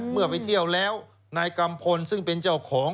เมื่อไปเที่ยวแล้วนายกัมพลซึ่งเป็นเจ้าของ